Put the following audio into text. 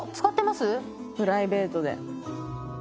プライベートで。